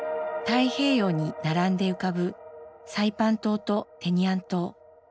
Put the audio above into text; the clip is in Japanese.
太平洋に並んで浮かぶサイパン島とテニアン島。